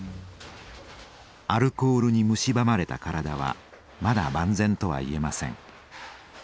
アルコールに蝕まれた体はまだ万全とは言えません。